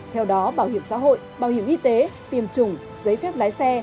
theo đó bảo hiểm xã hội bảo hiểm y tế tiêm chủng giấy phép lái xe